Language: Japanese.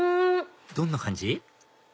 どんな感じ？